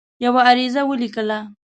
یوه عریضه ولیکله.